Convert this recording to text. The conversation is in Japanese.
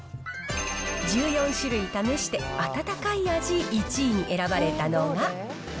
１４種類試して、温かい味１位に選ばれたのが。